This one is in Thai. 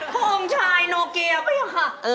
พระองค์ชายโนเกียร์พระเจ้าค่ะ